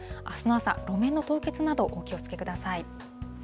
あすの朝、路面の凍結など、お気をつけください。